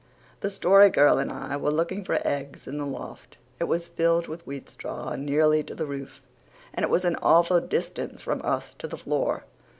The Story Girl and I were looking for eggs in the loft. It was filled with wheat straw nearly to the roof and it was an awful distance from us to the floor.